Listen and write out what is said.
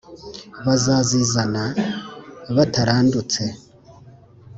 bazazizana batarandutse